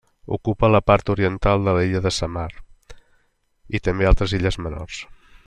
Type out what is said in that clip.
Ocupa la part oriental de l'illa de Samar, i també altres illes menors.